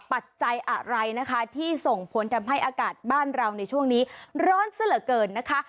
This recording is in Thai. ปัจจัยอะไรนะคะที่ส่งผลทำให้อากาศบ้านเราในช่วงนี้ร้อนซะเหลือเกินนะคะ